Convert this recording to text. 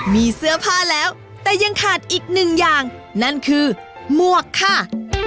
มีเสื้อผ้าแล้วแต่ยังขาดอีกหนึ่งอย่างนั่นคือหมวกค่ะ